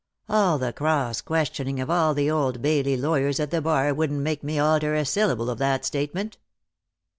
All the cross questioning of all the Old Bailey lawyers at the bar wouldn't make me alter a syllable of that statement."